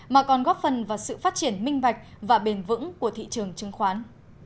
mà còn góp phần vào sự phát triển minh bạch và bền vững của thị trường chứng khoán